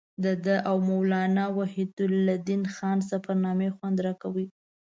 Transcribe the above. د ده او مولانا وحیدالدین خان سفرنامې خوند راکوي.